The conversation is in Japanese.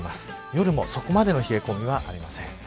夜もそこまでの冷え込みはありません。